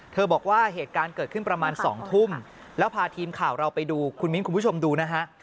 บอกว่าเหตุการณ์เกิดขึ้นประมาณ๒ทุ่มแล้วพาทีมข่าวเราไปดูคุณมิ้นคุณผู้ชมดูนะฮะ